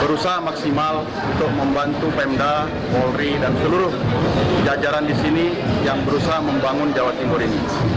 berusaha maksimal untuk membantu pemda polri dan seluruh jajaran di sini yang berusaha membangun jawa timur ini